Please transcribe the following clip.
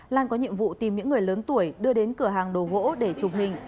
lan có nhiệm vụ tìm những người lớn tuổi đưa đến cửa hàng đồ gỗ để chụp hình